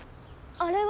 あれは？